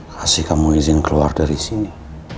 kasih kamu izin keluar dari sini